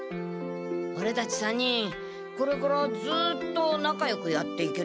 オレたち３人これからずっとなかよくやっていける？